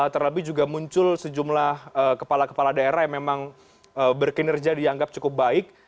terlebih juga muncul sejumlah kepala kepala daerah yang memang berkinerja dianggap cukup baik